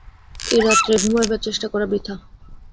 এ রাত্রে ঘুমাইবার চেষ্টা করা বৃথা।